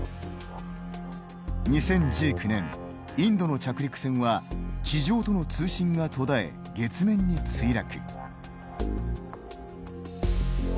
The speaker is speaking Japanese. ２０１９年インドの着陸船は地上との通信が途絶え月面に墜落。